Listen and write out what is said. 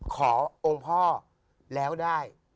องค์พ่อแล้วได้